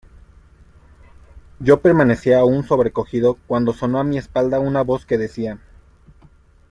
yo permanecía aún sobrecogido cuando sonó a mi espalda una voz que decía: